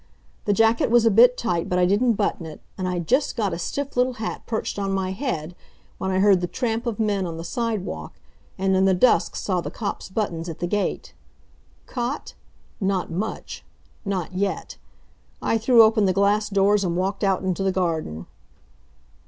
The jacket was a bit tight but I didn't button it, and I'd just got a stiff little hat perched on my head when I heard the tramp of men on the sidewalk, and in the dusk saw the cop's buttons at the gate. Caught? Not much. Not yet. I threw open the glass doors and walked out into the garden.